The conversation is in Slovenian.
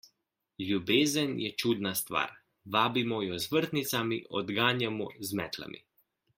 Ljubezen je čudna stvar: vabimo jo z vrtnicami, odganjamo z metlami.